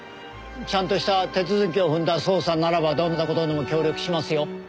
ちゃんとした手続きを踏んだ捜査ならばどんな事にも協力しますよ。